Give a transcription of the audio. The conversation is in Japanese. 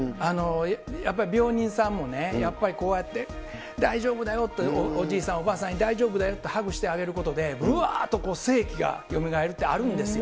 やっぱり病人さんもね、やっぱりこうやって、大丈夫だよって、おじいさん、おばあさんに大丈夫だよってハグしてあげることで、ぶわーと生気がよみがえるってあるんですよ。